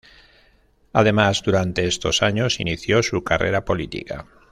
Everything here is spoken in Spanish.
Además durante estos años inició su carrera política.